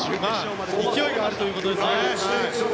勢いがあるということですね。